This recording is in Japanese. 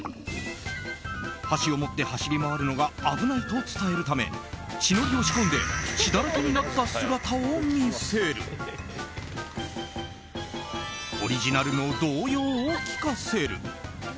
箸を持って走り回るのが危ないと伝えるため血のりを仕込んで血だらけになった姿を見せるオリジナルの童謡を聞かせる。